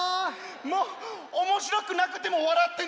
もうおもしろくなくてもわらってね。